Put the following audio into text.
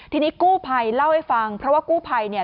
ทีนี้กู้ภัยเล่าให้ฟังเพราะว่ากู้ภัยเนี่ย